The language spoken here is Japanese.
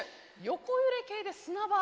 横揺れ系で砂場？